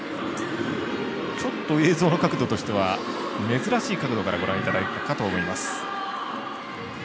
ちょっと映像の角度としては珍しい角度からご覧いただいたかと思います。